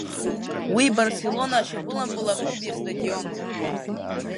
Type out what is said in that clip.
Уи Барселона ашьапылампыл аклуб иастадионуп.